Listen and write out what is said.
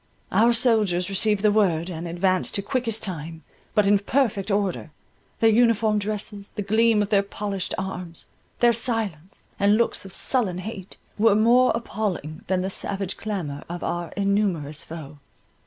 Our soldiers received the word, and advanced to quickest time, but in perfect order: their uniform dresses, the gleam of their polished arms, their silence, and looks of sullen hate, were more appalling than the savage clamour of our innumerous foe.